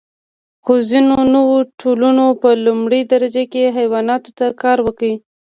خو ځینو نوو ټولنو په لومړۍ درجه کې حیواناتو ته کار ورکړ.